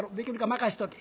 「任しとけ」。